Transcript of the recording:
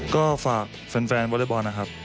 ก็ฝากแฟนวอเล็กบอลนะครับ